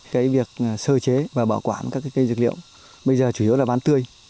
cái việc sơ chế và bảo quản các cây dược liệu bây giờ chủ yếu là bán tươi